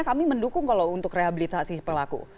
kami mendukung kalau untuk rehabilitasi pelaku